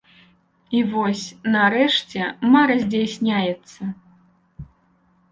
І вось, нарэшце, мара здзяйсняецца.